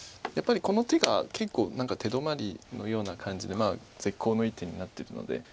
やっぱりこの手が結構何か手止まりのような感じで絶好の一手になってるので。